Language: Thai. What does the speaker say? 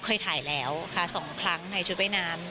เคยถ่ายแล้วค่ะ๒ครั้งในชุดว่ายน้ำ